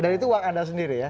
dan itu uang anda sendiri ya